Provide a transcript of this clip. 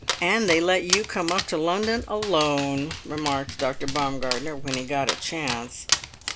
"And they let you come up to London alone!" remarked Dr. Baumgartner when he got a chance.